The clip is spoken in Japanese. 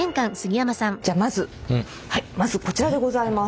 じゃあまずまずこちらでございます。